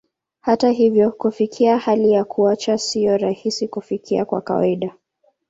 Hata hivyo, kufikia hali ya kuacha sio rahisi kufikia kwa kawaida.